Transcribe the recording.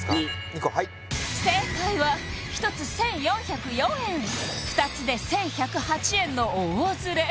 ２個はい２正解は１つ１４０４円２つで１１０８円の大ズレ